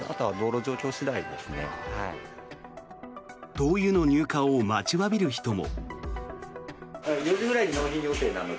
灯油の入荷を待ちわびる人も。